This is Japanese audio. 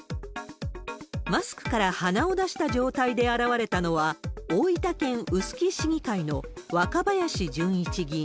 マスクから鼻を出した状態で現れたのは、大分県臼杵市議会の若林純一議員。